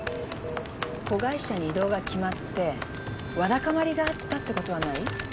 子会社に異動が決まってわだかまりがあったってことはない？